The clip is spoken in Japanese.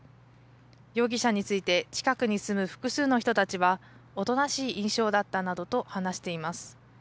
容疑者について、近くに住む複数の人たちは、おとなしい印象だったなどと話しています。